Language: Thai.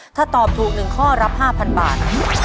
ถ้าตอบถูก๑ข้อรับ๕๐๐บาท